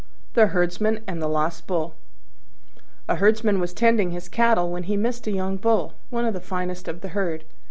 THE HERDSMAN AND THE LOST BULL A Herdsman was tending his cattle when he missed a young Bull, one of the finest of the herd.